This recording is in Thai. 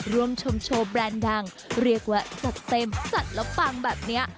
ร่วมชมโชว์แบรนด์ดังเรียกว่าจัดเต็มจัดแล้วปังแบบนี้